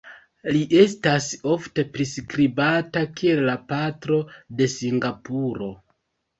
Li estas ofte priskribata kiel la "Patro de Singapuro".